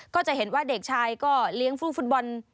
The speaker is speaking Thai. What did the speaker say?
ก็จะเห็นว่าเด็กชายก็เลี้ยงฟู้ฟุตบอล